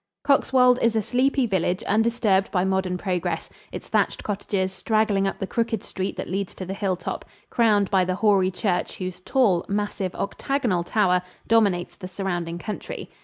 Coxwold is a sleepy village undisturbed by modern progress, its thatched cottages straggling up the crooked street that leads to the hilltop, crowned by the hoary church whose tall, massive octagonal tower dominates the surrounding country.